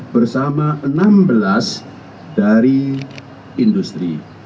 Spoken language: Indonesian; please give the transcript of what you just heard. bersama enam belas dari industri